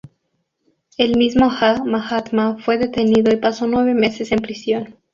El mismo Mahatma fue detenido y pasó nueve meses en prisión.